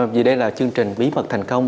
vì đây là chương trình bí mật thành công